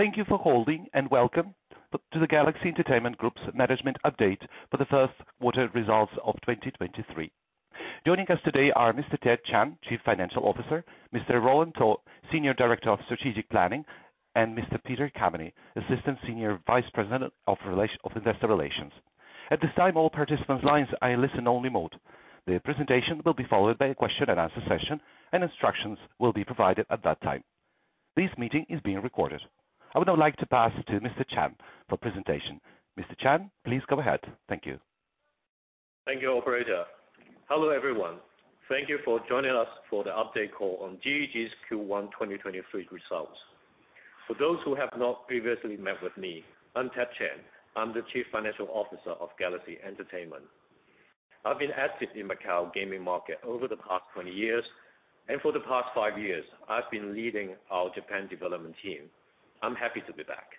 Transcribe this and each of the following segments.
Thank you for holding and welcome to the Galaxy Entertainment Group's management update for the Q1 results of 2023. Joining us today are Mr. Ted Chan, Chief Financial Officer, Mr. Roland To, Senior Director of Strategic Planning, and Mr. Peter Caveny, Assistant Senior Vice President of Investor Relations. At this time, all participants' lines are in listen only mode. The presentation will be followed by a question and answer session. Instructions will be provided at that time. This meeting is being recorded. I would now like to pass to Mr. Chan for presentation. Mr. Chan, please go ahead. Thank you. Thank you, operator. Hello everyone. Thank you for joining us for the update call on GEG's Q1 2023 results. For those who have not previously met with me, I'm Ted Chan, I'm the Chief Financial Officer of Galaxy Entertainment. I've been active in Macau gaming market over the past 20 years, and for the past five years I've been leading our Japan development team. I'm happy to be back.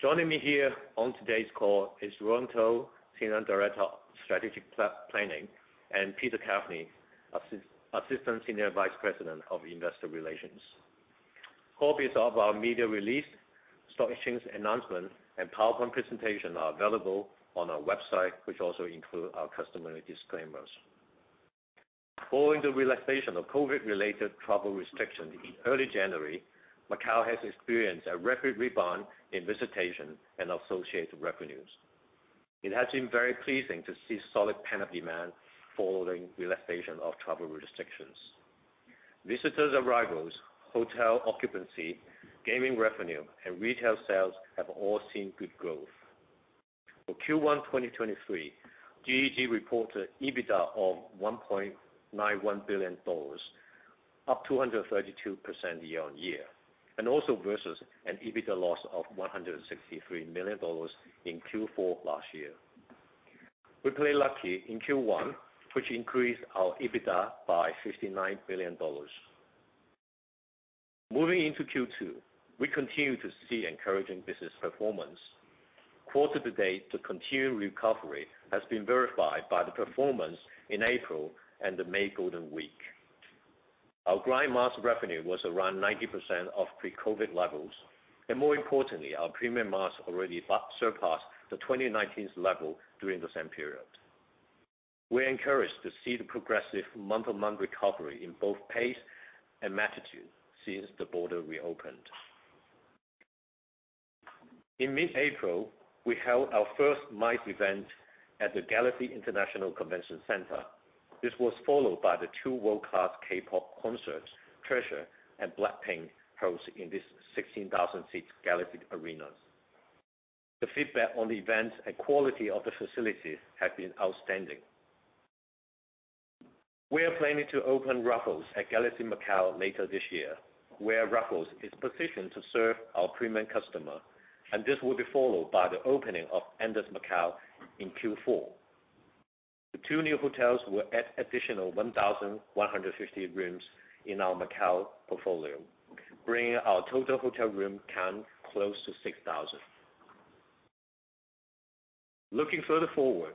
Joining me here on today's call is Roland To, Senior Director of Strategic Planning, and Peter Caveny, Assistant Senior Vice President of Investor Relations. A copies of our media release, stock exchange announcement, and PowerPoint presentation are available on our website, which also include our customary disclaimers. Following the relaxation of COVID-related travel restrictions in early January, Macau has experienced a rapid rebound in visitation and associated revenues. It has been very pleasing to see solid pent-up demand following relaxation of travel restrictions. Visitors arrivals, hotel occupancy, gaming revenue, and retail sales have all seen good growth. For Q1 2023, GEG reported EBITDA of 1.91 billion dollars, up 232% year-on-year, and also versus an EBITDA loss of 163 million dollars in Q4 last year. We played lucky in Q1, which increased our EBITDA by 59 billion dollars. Moving into Q2, we continue to see encouraging business performance. Quarter to date, the continued recovery has been verified by the performance in April and the May Golden Week. Our grind mass revenue was around 90% of pre-COVID levels, and more importantly, our premium mass already far surpassed the 2019's level during the same period. We're encouraged to see the progressive month-to-month recovery in both pace and magnitude since the border reopened. In mid-April, we held our first MICE event at the Galaxy International Convention Center. This was followed by the two world-class K-pop concerts, TREASURE and BLACKPINK, held in this 16,000 seats Galaxy Arena's. The feedback on the events and quality of the facilities have been outstanding. We are planning to open Raffles at Galaxy Macau later this year, where Raffles is positioned to serve our premium customer, and this will be followed by the opening of Andaz Macau in Q4. The two new hotels will add additional 1,150 rooms in our Macau portfolio, bringing our total hotel room count close to 6,000. Looking further forward,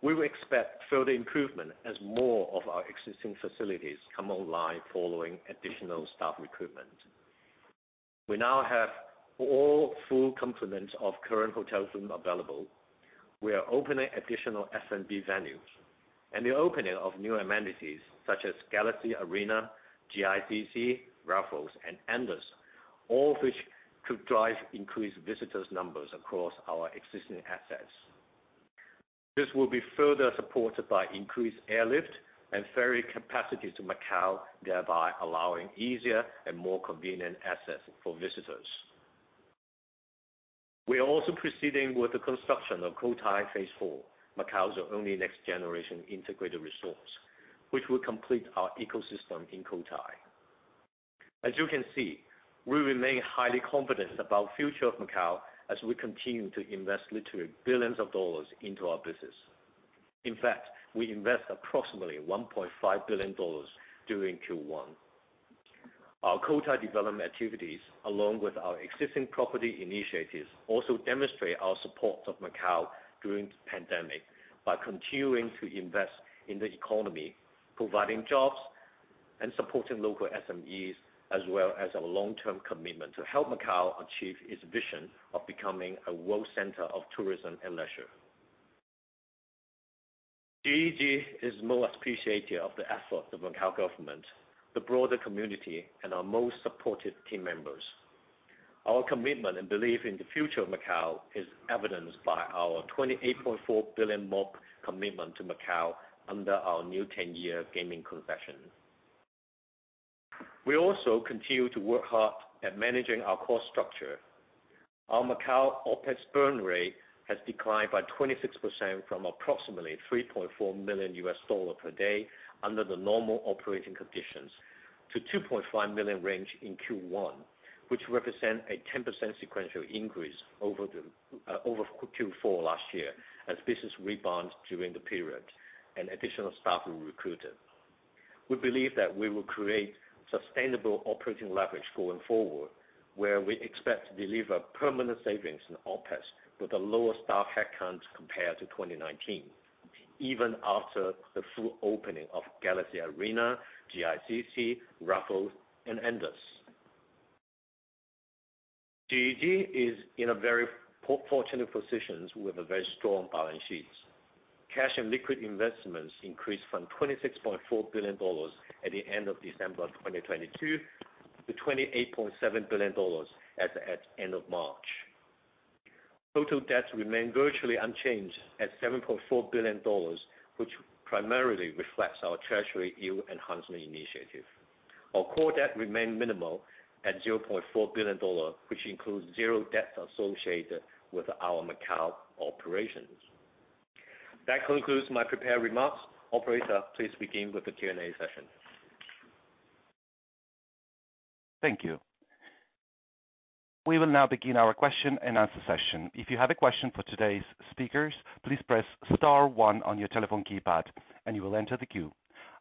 we will expect further improvement as more of our existing facilities come online following additional staff recruitment. We now have all full complements of current hotel rooms available. We are opening additional F&B venues and the opening of new amenities such as Galaxy Arena, GICC, Raffles and Andaz, all which could drive increased visitors numbers across our existing assets. This will be further supported by increased airlift and ferry capacity to Macau, thereby allowing easier and more convenient access for visitors. We are also proceeding with the construction of Cotai Phase 4, Macau's only next generation integrated resort, which will complete our ecosystem in Cotai. As you can see, we remain highly confident about future of Macau as we continue to invest literally billions of HKD into our business. In fact, we invest approximately 1.5 billion dollars during Q1. Our Cotai development activities, along with our existing property initiatives, also demonstrate our support of Macau during the pandemic by continuing to invest in the economy, providing jobs and supporting local SMEs, as well as our long-term commitment to help Macau achieve its vision of becoming a world center of tourism and leisure. GEG is most appreciative of the efforts of Macau government, the broader community, and our most supportive team members. Our commitment and belief in the future of Macau is evidenced by our MOP 28.4 billion commitment to Macau under our new 10-year gaming concession. We also continue to work hard at managing our cost structure. Our Macau OpEx burn rate has declined by 26% from approximately $3.4 million per day under the normal operating conditions to $2.5 million range in Q1, which represent a 10% sequential increase over Q4 last year as business rebounds during the period and additional staff were recruited. We believe that we will create sustainable operating leverage going forward, where we expect to deliver permanent savings in OpEx with a lower staff headcount compared to 2019. Even after the full opening of Galaxy Arena, GICC, Raffles, and Andaz. GEG is in a very fortunate positions with a very strong balance sheets. Cash and liquid investments increased from 26.4 billion dollars at the end of December 2022 to 28.7 billion dollars as of end of March. Total debts remain virtually unchanged at 7.4 billion dollars, which primarily reflects our treasury yield enhancement initiative. Our core debt remained minimal at 0.4 billion dollar, which includes zero debt associated with our Macau operations. That concludes my prepared remarks. Operator, please begin with the Q&A session. Thank you. We will now begin our question and answer session. If you have a question for today's speakers, please press star one on your telephone keypad and you will enter the queue.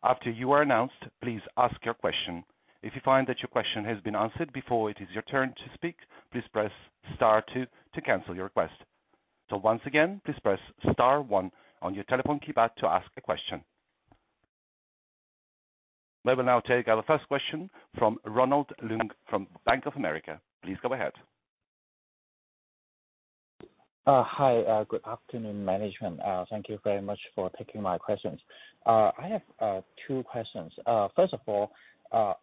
After you are announced, please ask your question. If you find that your question has been answered before it is your turn to speak, please press star two to cancel your request. Once again, please press star one on your telephone keypad to ask a question. We will now take our first question from Ronald Leung from Bank of America. Please go ahead. Hi. Good afternoon management. Thank you very much for taking my questions. I have two questions. First of all,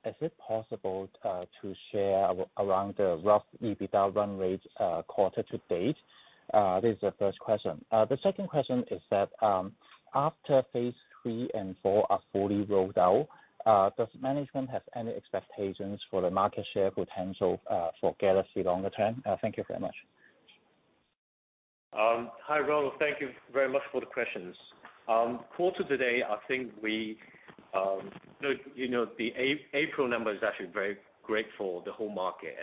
is it possible to share around the rough EBITDA run rate quarter to date? This is the first question. The second question is that, after phase three and four are fully rolled out, does management have any expectations for the market share potential for Galaxy longer term? Thank you very much. Hi Ronald. Thank you very much for the questions. Quarter to date, I think we, you know, the April number is actually very great for the whole market.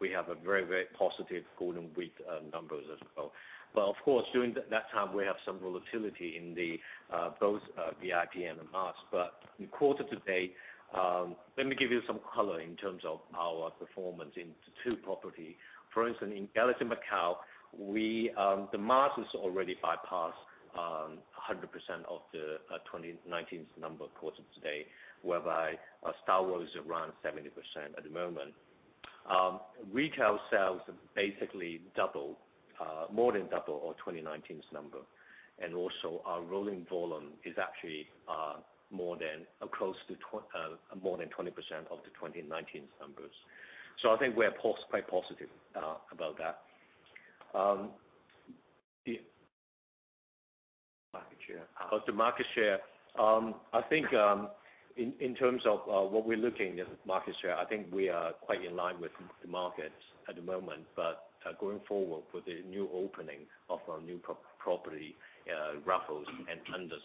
We have a very positive Golden Week numbers as well. Of course, during that time we have some volatility in the both VIP and the mass. In quarter to date, let me give you some color in terms of our performance in two property. For instance, in Galaxy Macau, we, the mass has already bypassed 100% of the 2019's number quarter to date, whereby our StarWorld is around 70% at the moment. Retail sales basically double, more than double our 2019's number. Our rolling volume is actually, more than or close to more than 20% of the 2019's numbers. I think we're quite positive about that. The. Market share. As to market share, I think, in terms of, what we're looking in market share, I think we are quite in line with the market at the moment. Going forward with the new opening of our new pro-property, Raffles and Andaz,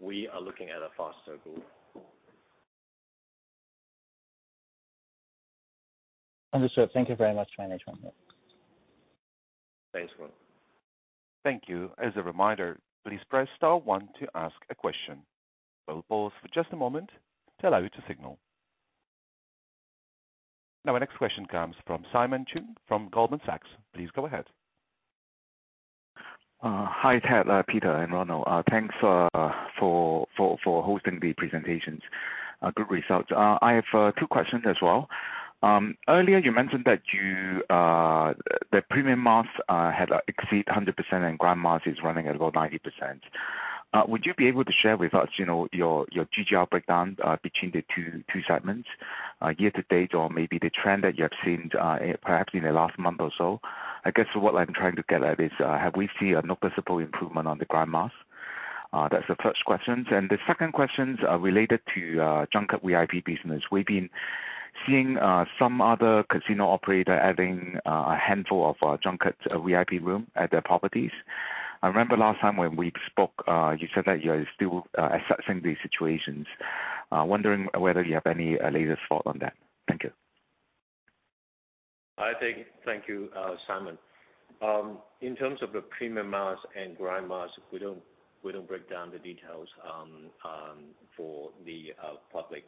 we are looking at a faster growth. Understood. Thank you very much management. Thanks Ronald. Thank you. As a reminder, please press star one to ask a question. We'll pause for just a moment to allow you to signal. Now our next question comes from Simon Cheung from Goldman Sachs. Please go ahead. Hi Ted, Peter, and Ronald. Thanks for hosting the presentations. Good results. I have two questions as well. Earlier you mentioned that you the premium mass had exceed 100% and grand mass is running at about 90%. Would you be able to share with us, you know, your GGR breakdown between the two segments year-to-date, or maybe the trend that you have seen perhaps in the last month or so? I guess what I'm trying to get at is, have we seen a noticeable improvement on the grand mass? That's the first questions. The second questions are related to junket VIP business. We've been seeing some other casino operator adding a handful of junkets VIP room at their properties. I remember last time when we spoke, you said that you are still assessing these situations. Wondering whether you have any latest thought on that. Thank you. I take. Thank you Simon. In terms of the premium mass and grand mass, we don't break down the details for the public.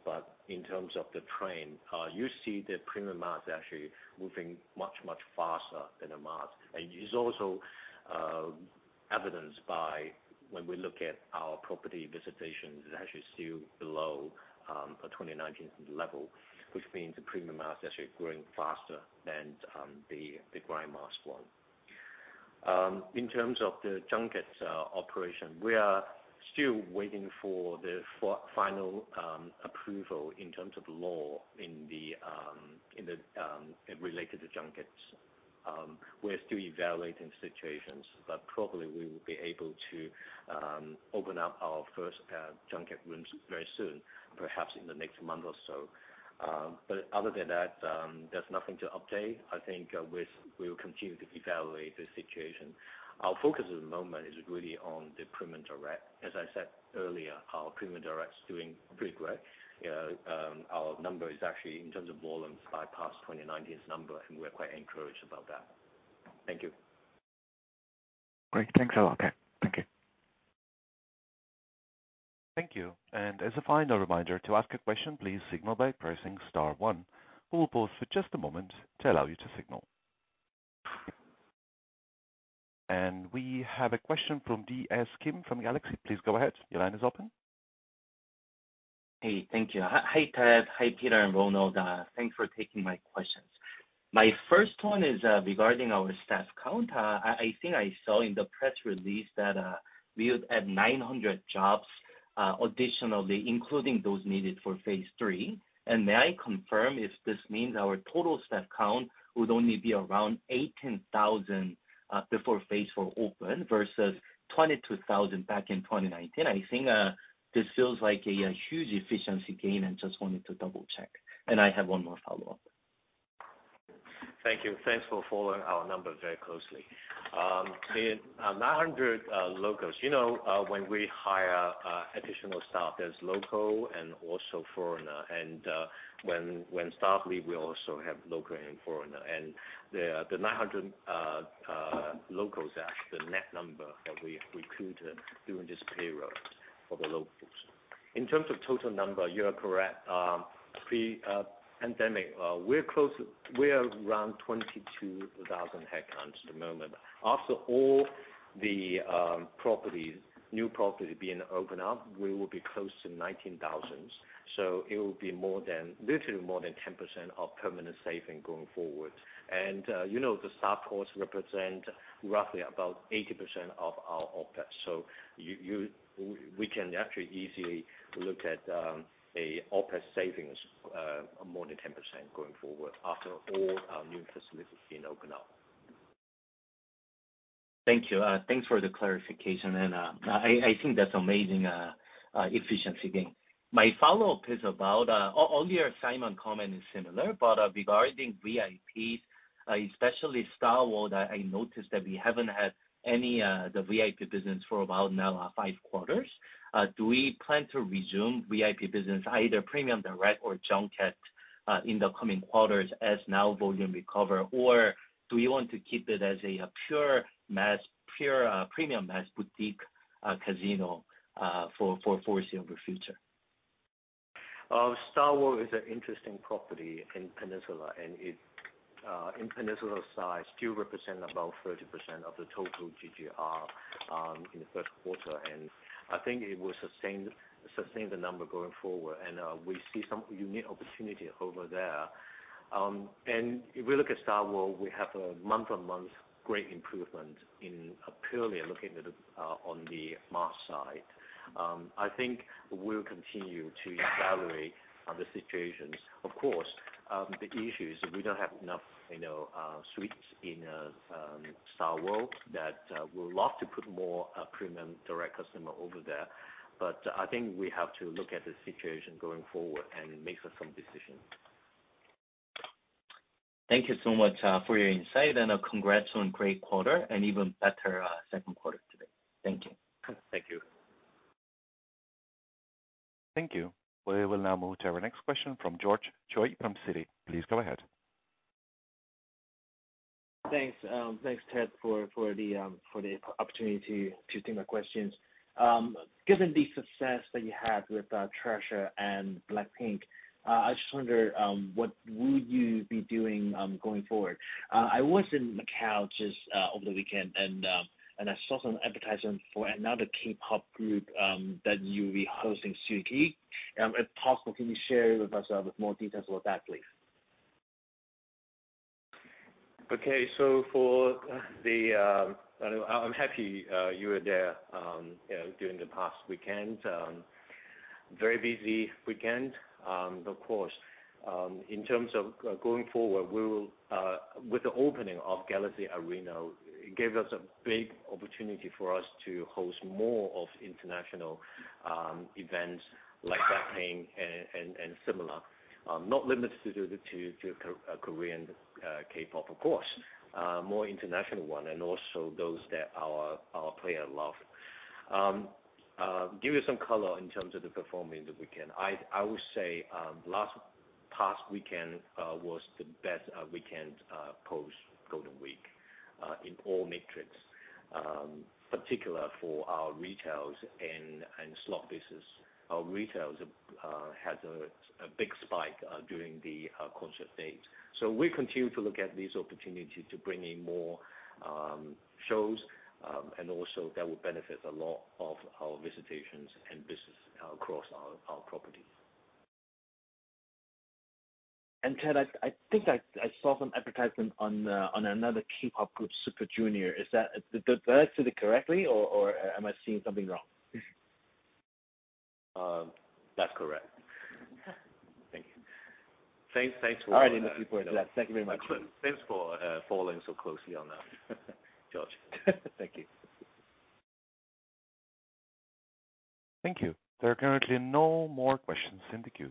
In terms of the trend, you see the premium mass actually moving much, much faster than the mass. It is also evidenced by when we look at our property visitations, it's actually still below a 2019 level, which means the premium mass is actually growing faster than the grand mass one. In terms of the junkets operation, we are still waiting for the final approval in terms of the law in the related to junkets. We're still evaluating situations, but probably we will be able to open up our first junket rooms very soon, perhaps in the next month or so. Other than that, there's nothing to update. I think we will continue to evaluate the situation. Our focus at the moment is really on the premium direct. As I said earlier, our premium direct is doing pretty great. You know, our number is actually, in terms of volumes, bypassed 2019's number, and we're quite encouraged about that. Thank you. Great. Thanks a lot. Okay. Thank you. Thank you. As a final reminder, to ask a question please signal by pressing star one. We will pause for just a moment to allow you to signal. We have a question from DS Kim from JPMorgan. Please go ahead. Your line is open. Hey thank you. Hi Ted Chan. Hi Peter Caveny and Ronald To. Thanks for taking my questions. My first one is regarding our staff count. I think I saw in the press release that we would add 900 jobs additionally, including those needed for phase three. May I confirm if this means our total staff count would only be around 18,000 before phase four open versus 22,000 back in 2019. I think this feels like a huge efficiency gain and just wanted to double-check. I have one more follow-up. Thank you. Thanks for following our numbers very closely. The 900 locals, you know, when we hire additional staff, there's local and also foreigner. When staff leave, we also have local and foreigner. The 900 locals is the net number that we recruited during this payroll for the locals. In terms of total number, you are correct. Pre-pandemic, we are around 22,000 headcounts at the moment. After all the properties, new properties being opened up, we will be close to 19,000. It will be more than, literally more than 10% of permanent saving going forward. You know, the staff costs represent roughly about 80% of our OpEx. We can actually easily look at, a OpEx savings, more than 10% going forward after all our new facilities being opened up. Thank you. Thanks for the clarification. I think that's amazing efficiency gain. My follow-up is about earlier Simon comment is similar regarding VIPs, especially StarWorld, I noticed that we haven't had any the VIP business for about now five quarters. Do we plan to resume VIP business either premium direct or junkets in the coming quarters as now volume recover? Do you want to keep it as a pure mass, pure premium mass boutique casino for foreseeable future? StarWorld is an interesting property in Peninsula, and it's in Peninsula side, still represent about 30% of the total GGR in the Q1. I think it will sustain the number going forward. We see some unique opportunity over there. If we look at StarWorld, we have a month-on-month great improvement in purely looking at it on the mass side. I think we'll continue to evaluate the situations. Of course, the issue is we don't have enough, you know, suites in StarWorld that we would love to put more premium direct customer over there. I think we have to look at the situation going forward and make some decisions. Thank you so much for your insight. Congrats on great quarter and even better, Q2 to date. Thank you. Thank you. Thank you. We will now move to our next question from George Choi from Citi. Please go ahead. Thanks. Thanks Ted for the opportunity to shoot my questions. Given the success that you had with TREASURE and BLACKPINK, I just wonder what would you be doing going forward. I was in Macau just over the weekend, and I saw some advertisement for another K-pop group that you'll be hosting soon. If possible can you share with us with more details about that, please? Okay. For the, I'm happy you were there, you know, during the past weekend. Very busy weekend. Of course, in terms of going forward, we will, with the opening of Galaxy Arena, it gave us a big opportunity for us to host more of international events like BLACKPINK and similar. Not limited to the Korean K-pop, of course. More international one and also those that our player love. Give you some color in terms of the performance in the weekend. I would say, past weekend, was the best weekend post Golden Week in all metrics. Particular for our retails and slot business. Our retails has a big spike during the concert dates. We continue to look at this opportunity to bring in more shows, and also that will benefit a lot of our visitations and business across our properties. Ted, I think I saw some advertisement on another K-pop group, SUPER JUNIOR. Did I say that correctly or am I seeing something wrong? That's correct. Thank you. Thanks. I didn't see for that. Thank you very much. Thanks for following so closely on that, George. Thank you. Thank you. There are currently no more questions in the queue.